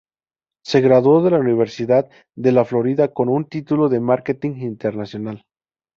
Se graduó de la Universidad de la Florida con un título de Marketing Internacional.